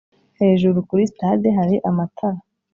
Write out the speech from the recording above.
hejuru kuri sitade hari amatara.